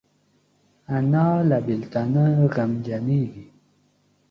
انا له بیلتانه غمجنېږي